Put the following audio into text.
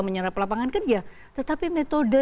menyerap lapangan kerja tetapi metode